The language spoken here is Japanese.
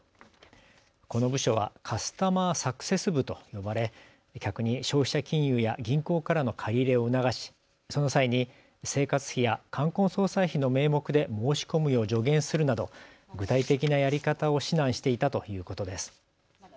この部署はカスタマーサクセス部と呼ばれ客に消費者金融や銀行からの借り入れを促しその際に生活費や冠婚葬祭費の名目で申し込むよう助言するなど具体的なやり方を指南していたということです。